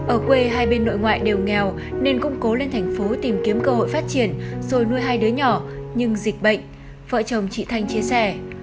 ở quê hai bên nội ngoại đều nghèo nên công cố lên thành phố tìm kiếm cơ hội phát triển rồi nuôi hai đứa nhỏ nhưng dịch bệnh vợ chồng chị thanh chia sẻ